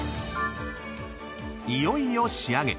［いよいよ仕上げ］